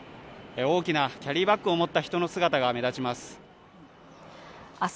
大きなキャリーバッグを持った人の姿が目立ちます。